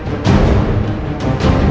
aku dimana ini